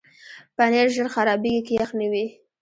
پنېر ژر خرابېږي که یخ نه وي.